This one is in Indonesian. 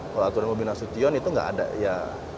kalau aturan bobi nasution itu nggak ada ya